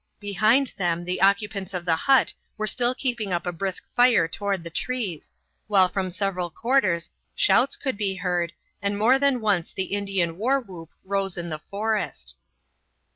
Behind them the occupants of the hut were still keeping up a brisk fire toward the trees, while from several quarters shouts could be heard, and more than once the Indian war whoop rose in the forest.